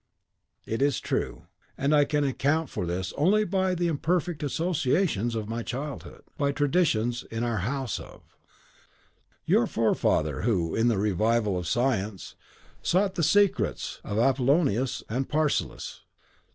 "It is true; and I can account for this only by the imperfect associations of my childhood, by traditions in our house of " "Your forefather, who, in the revival of science, sought the secrets of Apollonius and Paracelsus."